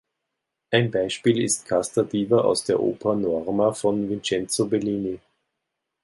Ein Beispiel ist „Casta Diva“ aus der Oper „Norma“ von Vincenzo Bellini.